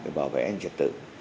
để bảo vệ nhân dân